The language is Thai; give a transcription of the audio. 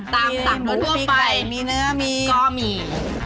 ตามสัตว์หมูทั่วไปก็มีมีเนื้อมี